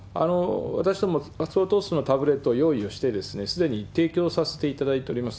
私ども、相当数のタブレットを用意をして、すでに提供させていただいております。